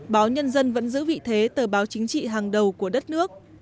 báo nhân dân vẫn giữ vị thế tờ báo chính trị hàng đầu của đất nước